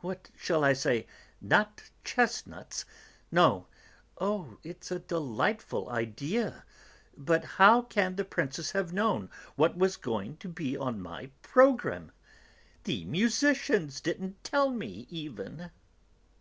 what shall I say, not chestnuts, no, oh, it's a delightful idea, but how can the Princess have known what was going to be on my programme? The musicians didn't tell me, even."